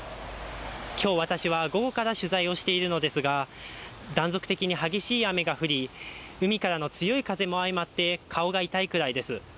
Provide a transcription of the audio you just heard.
今日私は午後から取材をしているのですが、断続的に激し雨が降り、海からの強い風も相まって、顔が痛いくらいです。